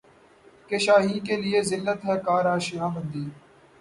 کہ شاہیں کیلئے ذلت ہے کار آشیاں بندی